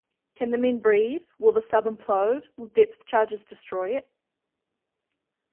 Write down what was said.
Can the men breathe, will the sub implode, will depth charges destroy it?